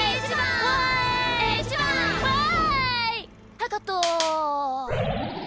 はいカット。